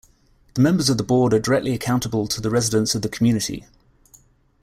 The members of the Board are directly accountable to the residents of the community.